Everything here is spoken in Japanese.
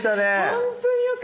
本当によかった。